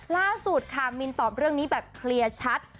ล่าสุดค่ะมินตอบเรื่องนี้แบบเคลียร์ชัด